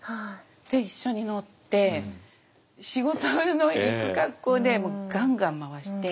で一緒に乗って仕事に行く格好でガンガン回して。